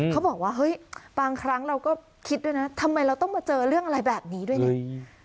เขาบอกว่าเฮ้ยบางครั้งเราก็คิดด้วยนะทำไมเราต้องมาเจอเรื่องอะไรแบบนี้ด้วยนะ